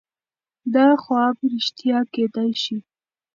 دا خوب رښتیا کیدای شي.